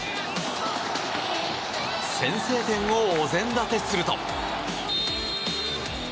先制点をお膳立てすると。